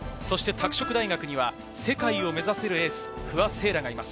拓殖大学には世界を目指せるエース・不破聖衣来がいます。